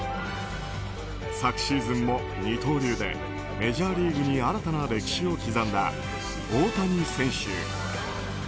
昨シーズンも二刀流でメジャーリーグに新たな歴史を刻んだ大谷選手。